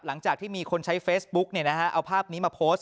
หลังจากที่มีคนใช้เฟซบุ๊กเอาภาพนี้มาโพสต์